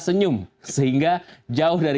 senyum sehingga jauh dari